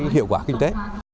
hiệu quả kinh tế